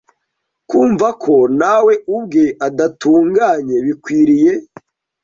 Kumva ko na we ubwe adatunganye bikwiriye